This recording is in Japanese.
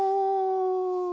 お！